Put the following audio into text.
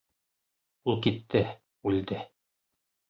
Ул китте, үлде...